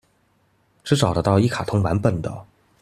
只找得到一卡通版本的